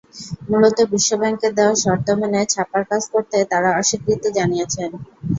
মূলত বিশ্বব্যাংকের দেওয়া শর্ত মেনে ছাপার কাজ করতে তাঁরা অস্বীকৃতি জানিয়েছেন।